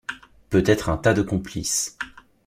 peut-être un tas de complices.